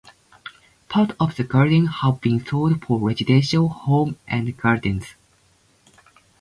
Parts of the garden have been sold for residential homes and gardens.